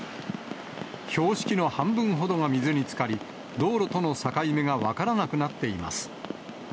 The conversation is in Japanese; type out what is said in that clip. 標識の半分ほどが水につかり、道路との境目が分からなくなっています。